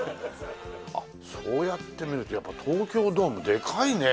そうやって見るとやっぱ東京ドームでかいね。